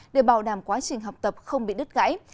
để bảo đảm quá trình học tập không bị đứt gãy